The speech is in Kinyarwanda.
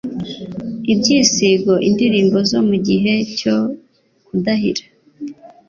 Ibyisigo: indirimbo zo mu gihe cyo kudahira.